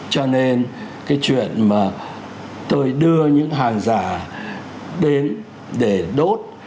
cho nên cái chuyện mà tôi đưa những hàng giả đến để đốt